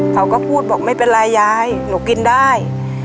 เขาก็พูดบอกไม่เป็นไรยายหนูกินได้